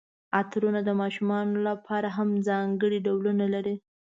عطرونه د ماشومانو لپاره هم ځانګړي ډولونه لري.